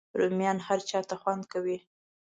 رومیان هر چاته خوند کوي